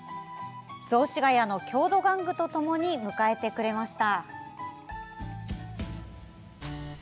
雑司が谷の郷土玩具とともに迎えてくれました。